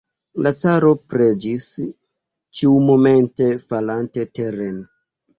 La caro preĝis, ĉiumomente falante teren.